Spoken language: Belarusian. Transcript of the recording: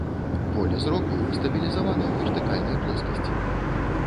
Поле зроку стабілізавана ў вертыкальнай плоскасці.